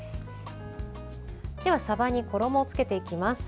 では、さばに衣をつけていきます。